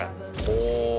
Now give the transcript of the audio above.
お！